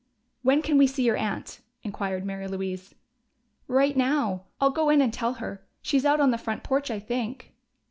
"When can we see your aunt?" inquired Mary Louise. "Right now. I'll go in and tell her. She's out on the front porch, I think."